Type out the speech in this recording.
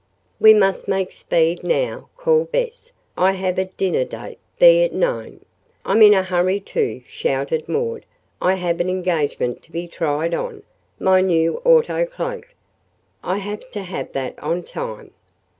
"We must make speed now," called Bess. "I have a dinner date, be it known." "I'm in a hurry, too," shouted Maud. "I have an engagement to be tried on my new auto cloak. I have to have that on time."